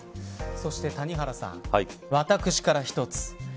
そして、谷原さん私から一つ。